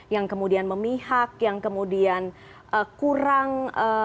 yang kemudian memihak yang kemudian kurang